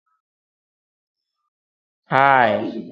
This is a low rainfall area with typical dry tropical vegetation.